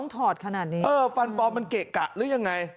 ถอดขนาดนี้เออฟันปลอมมันเกะกะหรือยังไง